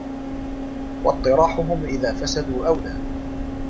وَاطِّرَاحَهُمْ إذَا فَسَدُوا أَوْلَى